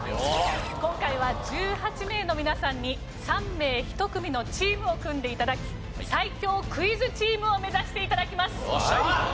今回は１８名の皆さんに３名１組のチームを組んで頂き最強クイズチームを目指して頂きます！